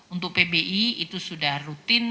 untuk pbi itu sudah rutin